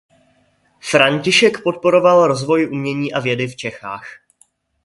František podporoval rozvoj umění a vědy v Čechách.